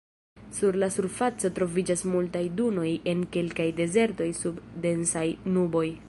Sur la surfaco troviĝas multaj dunoj en kelkaj dezertoj sub densaj nuboj.